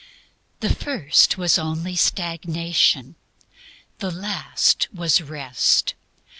The first was only Stagnation; the last was Rest.